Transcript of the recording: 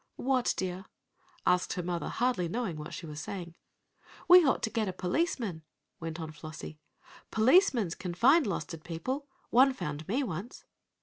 "What, dear?" asked her mother, hardly knowing what she was saying. "We ought to get a policeman," went on Flossie. "Policemans can find losted people. One found me once."